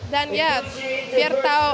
dan ya fear tau